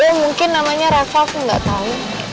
ya mungkin namanya reva aku gak tau